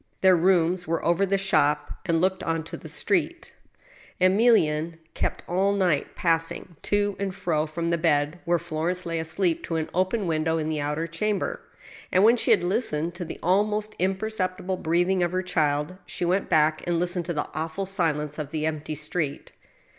Their rooms were over the shop, and looked on to the street. Emilienne kept all night passing to and fro from the bed, where Florence lay asleep, to an open window in the outer chamber, and, when she had listened to the almost imperceptible breathing of her child, she went back and listened to the awful silence of the empty street.